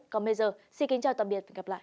còn bây giờ xin kính chào tạm biệt và hẹn gặp lại